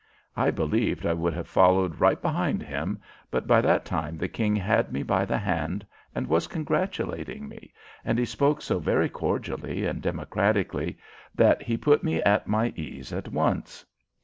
I believed I would have followed right behind him, but by that time the King had me by the hand and was congratulating me, and he spoke so very cordially and democratically that he put me at my ease at once.